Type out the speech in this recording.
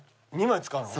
２枚使うの？